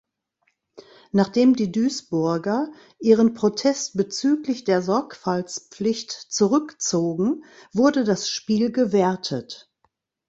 Nachdem die Duisburger ihren Protest bezüglich der Sorgfaltspflicht zurückzogen, wurde das Spiel gewertet.